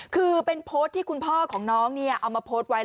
คือเป็นโพสต์ที่คุณพ่อของน้องเอามาโพสต์ไว้